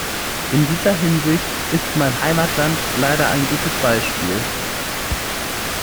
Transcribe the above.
In dieser Hinsicht ist mein Heimatland leider ein gutes Beispiel.